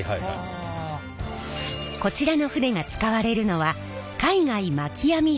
こちらの船が使われるのは海外まき網漁。